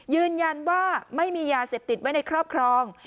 ยืนยันว่าไม่มียาเสพติดไว้ในครอบครอง